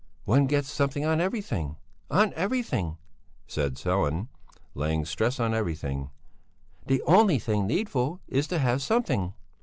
"One gets something on everything on everything," said Sellén, laying stress on everything; "the only thing needful is to have something."